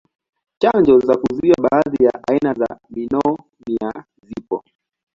Chanjo za kuzuia baadhi ya aina za nimonia zipo.